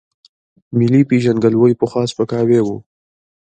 ملي پېژندګلوۍ پخوا سپکاوی و.